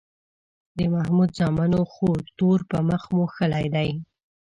د محمود زامنو خو تور په مخ موښلی دی